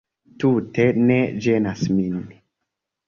Tute ne ĝenas min